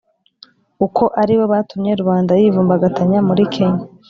uko ari bo batumye rubanda yivumbagatanya muri kenya